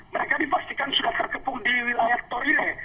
mereka dipastikan sudah terkepung di wilayah torile